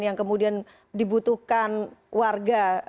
yang kemudian dibutuhkan warga